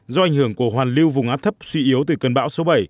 do ảnh hưởng của hoàn lưu vùng áp thấp suy yếu từ cơn bão số bảy